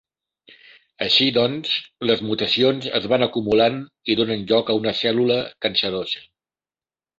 Així doncs, les mutacions es van acumulant i donen lloc a una cèl·lula cancerosa.